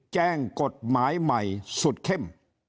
แจ้งกฎหมายใหม่สุดเข้ม